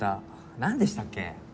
なんでしたっけ？